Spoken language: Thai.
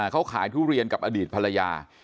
เขาขายทุเรียนกับอดีตภรรยา